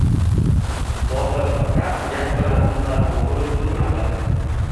Botir firqa gap bilan andarmon bo‘lib bilmadi.